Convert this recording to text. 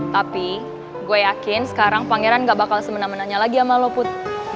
tapi gue yakin sekarang pangeran gak bakal semena menanya lagi sama lopud